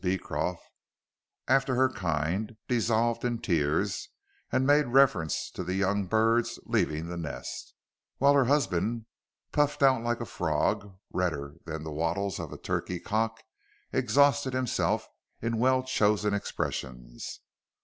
Beecot, after her kind, dissolved in tears, and made reference to young birds leaving the nest, while her husband, puffed out like a frog, and redder than the wattles of a turkey cock, exhausted himself in well chosen expressions.